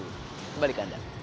kembali ke anda